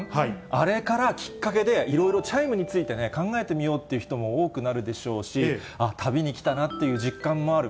あれからきっかけで、いろいろチャイムについて考えてみようっていう人も多くなるでしょうし、旅に来たなという実感もある。